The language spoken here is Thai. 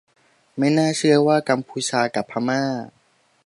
ไม่น่าเชื่อว่า กัมพูชา กับพม่า